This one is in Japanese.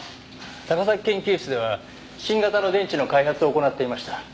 高崎研究室では新型の電池の開発を行っていました。